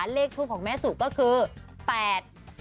เลขทูปของแม่สุก็คือ๘๔